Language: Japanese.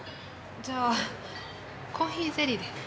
じゃあコーヒーゼリーで。